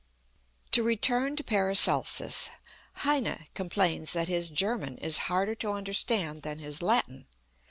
To return to PARACELSUS, HEINE complains that his German is harder to understand than his Latin.